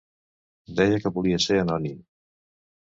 Deia que volia ser anònim.